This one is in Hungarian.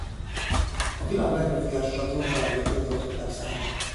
A világ legbefolyásosabb drogbárójaként tartották számon.